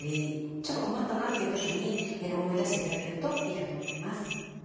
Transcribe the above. ちょっと困ったなっていう時に思い出して頂けるといいかと思います。